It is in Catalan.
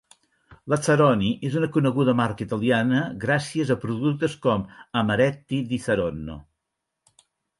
Lazzaroni és una coneguda marca italiana gràcies a productes com Amaretti di Saronno.